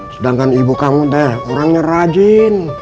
sedangkan ibu kamu deh orangnya rajin